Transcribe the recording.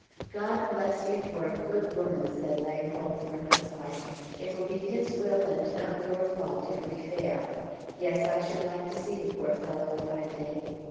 "God bless you for a good woman," said Langholm, from his heart; "it will be His will and not your fault if we fail. Yes, I should like to see the poor fellow, if I may."